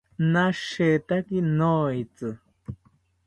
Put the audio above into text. Nashetaki noetzi